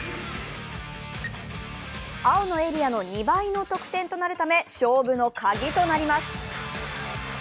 青のエリアの２倍の得点となるため勝負の鍵となります。